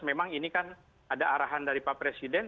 memang ini kan ada arahan dari pak presiden